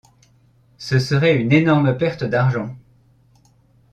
Ce serait une énorme perte d’argent.